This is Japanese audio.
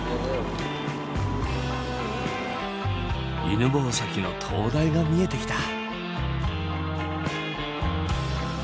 犬吠埼の灯台が見えてきた。